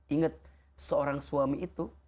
ingat seorang suami itu